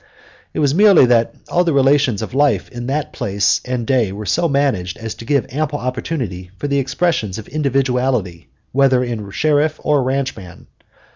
It was merely that all the relations of life in that place and day were so managed as to give ample opportunity for the expression of individuality, whether in sheriff or ranchman.